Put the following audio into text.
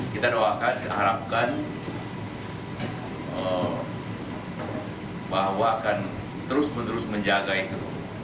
kita doakan kita harapkan bahwa akan terus menerus menjaga itu